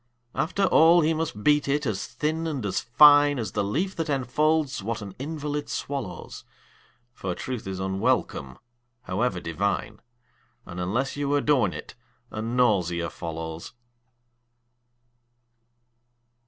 After all he must beat it as thin and as fine As the leaf that enfolds what an invalid swallows, For truth is unwelcome, however divine, And unless you adorn it, a nausea follows.